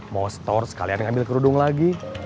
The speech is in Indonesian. mau setor sekalian ngambil kerudung lagi